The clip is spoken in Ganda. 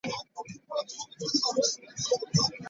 Laadiyo eri buli wamu.